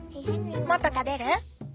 もっと食べる？